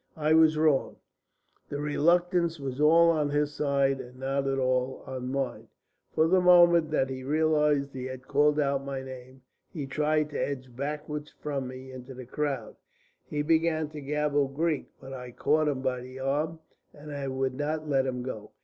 I was wrong. The reluctance was all on his side and not at all on mine. For the moment that he realised he had called out my name he tried to edge backward from me into the crowd, he began to gabble Greek, but I caught him by the arm, and I would not let him go.